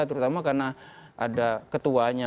terutama karena ada ketuanya